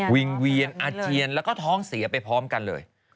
งเวียนอาเจียนแล้วก็ท้องเสียไปพร้อมกันเลย